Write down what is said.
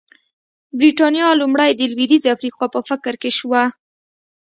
برېټانیا لومړی د لوېدیځې افریقا په فکر کې شوه.